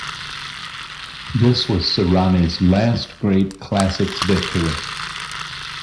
This was Saronni's last great classics victory.